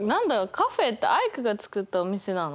カフェってアイクが作ったお店なの？